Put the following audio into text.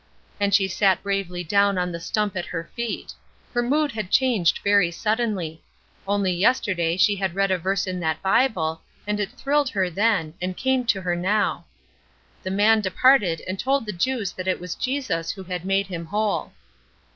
And she sat bravely down on the stump at her feet; her mood had changed very suddenly; only yesterday she had read a verse in that Bible, and it thrilled her then, and came to her now: "The man departed and told the Jews that it was Jesus who had made him whole."